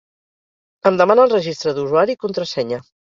Em demana el registre d'usuari i contrasenya.